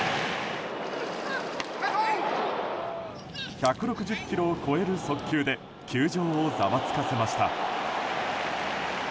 １６０キロを超える速球で球場をざわつかせました。